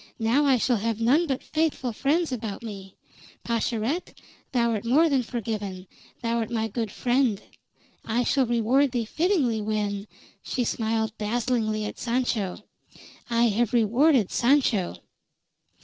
Now I shall have none but faithful friends about me. Pascherette, thou'rt more than forgiven: thou'rt my good friend. I shall reward thee fittingly when" she smiled dazzlingly at Sancho "I have rewarded Sancho."